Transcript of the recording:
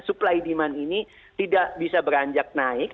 supply demand ini tidak bisa beranjak naik